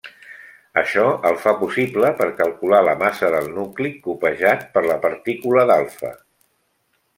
Això el fa possible per calcular la massa del nucli copejat per la partícula d'alfa.